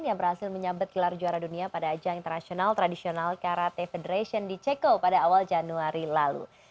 yang berhasil menyabet gelar juara dunia pada ajang internasional tradisional karate federation di ceko pada awal januari lalu